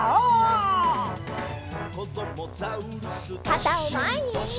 かたをまえに！